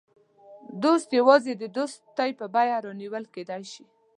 دوست یوازې د دوستۍ په بیه رانیول کېدای شي.